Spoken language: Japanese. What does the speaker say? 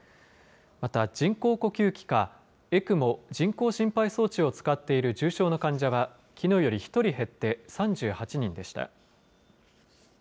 また人工呼吸器か、ＥＣＭＯ・人工心肺装置を使っている重症の患者は、きのうより１人減って３８人でした。